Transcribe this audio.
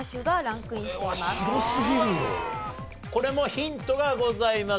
これもヒントがございます。